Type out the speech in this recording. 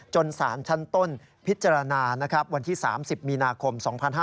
สารชั้นต้นพิจารณาวันที่๓๐มีนาคม๒๕๕๙